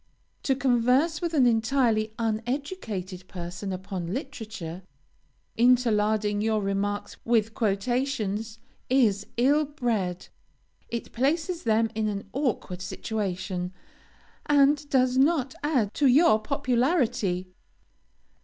To converse with an entirely uneducated person upon literature, interlarding your remarks with quotations, is ill bred. It places them in an awkward situation, and does not add to your popularity.